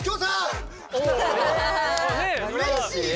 うれしいよ。